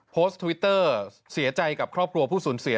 ทวิตเตอร์เสียใจกับครอบครัวผู้สูญเสีย